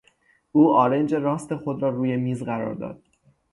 او آرنج راست خود را روی میز قرار داد.